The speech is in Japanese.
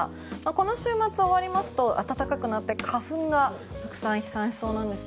この週末終わりますと暖かくなって花粉がたくさん飛散しそうです。